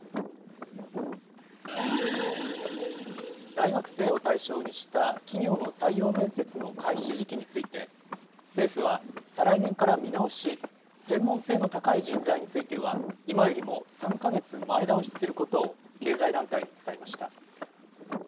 大学生を対象にした、企業の採用面接の開始時期について、政府は再来年から見直し、専門性の高い人材については、今よりも３か月前倒しすることを経済団体に伝えました。